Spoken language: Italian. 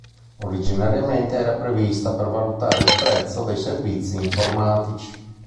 Originariamente era prevista per valutare il prezzo dei servizi informatici.